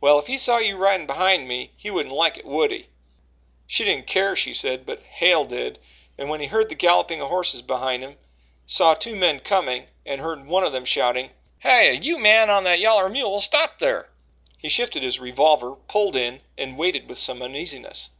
"Well, if he saw you riding behind me, he wouldn't like it, would he?" "She didn't keer," she said, but Hale did; and when he heard the galloping of horses behind him, saw two men coming, and heard one of them shouting "Hyeh, you man on that yaller mule, stop thar" he shifted his revolver, pulled in and waited with some uneasiness.